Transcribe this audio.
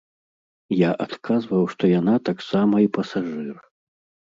Я адказваў, што яна таксама і пасажыр.